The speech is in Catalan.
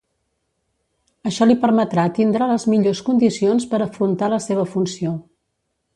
Això li permetrà tindre les millors condicions per afrontar la seva funció.